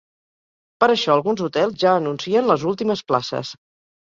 Per això alguns hotels ja anuncien les últimes places.